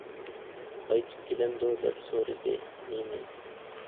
قايتىپ كېلەمدۇ؟ - دەپ سورىدى لېنىن.